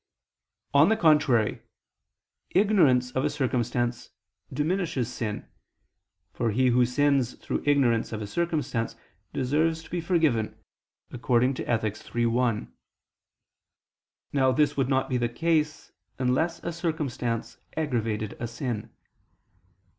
On the contrary, Ignorance of a circumstance diminishes sin: for he who sins through ignorance of a circumstance, deserves to be forgiven (Ethic. iii, 1). Now this would not be the case unless a circumstance aggravated a sin.